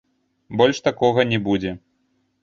Больш такога не будзе.